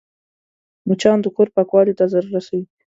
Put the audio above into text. مچان د کور پاکوالي ته ضرر رسوي